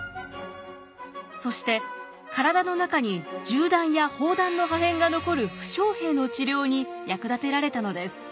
そして体の中に銃弾や砲弾の破片が残る負傷兵の治療に役立てられたのです。